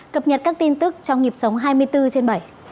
cập nhật các tin tức trong nhịp sống hai mươi bốn trên bảy